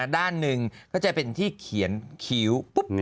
ด้านหนึ่งก็จะเป็นที่เขียนคิ้วปุ๊บ